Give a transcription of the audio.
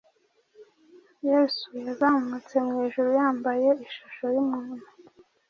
Yesu yazamutse mu ijuru yambaye ishusho y’umuntu.